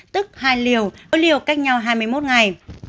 tức hai liều có liều cách nhau hai mươi một ngày